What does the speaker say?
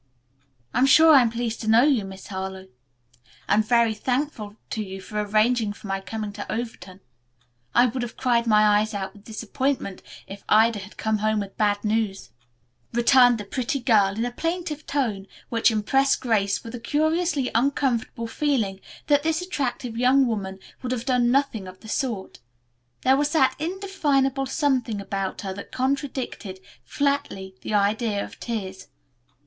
"I'm sure I am pleased to know you, Miss Harlowe, and very thankful to you for arranging for my coming to Overton. I would have cried my eyes out with disappointment if Ida had come home with bad news," returned the pretty girl in a plaintive tone which impressed Grace with a curiously uncomfortable feeling that this attractive young woman would have done nothing of the sort. There was that indefinable something about her that contradicted, flatly, the idea of tears.